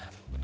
bener juga ya